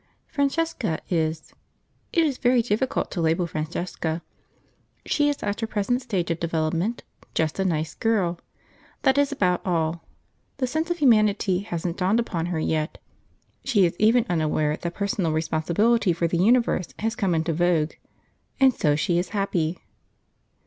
Francesca is It is very difficult to label Francesca. She is, at her present stage of development, just a nice girl; that is about all: the sense of humanity hasn't dawned upon her yet; she is even unaware that personal responsibility for the universe has come into vogue, and so she is happy.